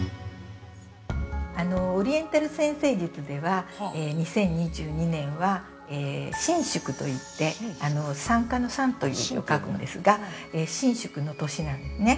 ◆オリエンタル占星術では、２０２２年は、参宿といって参加の「参」という字を書くんですが、参宿の年なんですね。